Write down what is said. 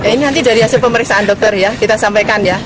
ini nanti dari hasil pemeriksaan dokter ya kita sampaikan ya